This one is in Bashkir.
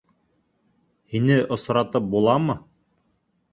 Һине осратып буламы?